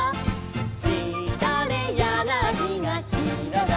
「しだれやなぎがひろがった」